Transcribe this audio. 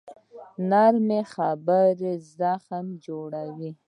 نرمه خبره زخم جوړوي